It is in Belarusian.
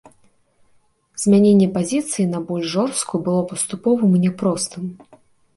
Змяненне пазіцыі на больш жорсткую было паступовым і няпростым.